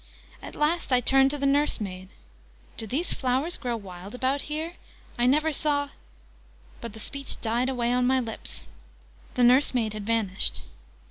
At last I turned to the nursemaid. "Do these flowers grow wild about here? I never saw " but the speech died away on my lips. The nursemaid had vanished!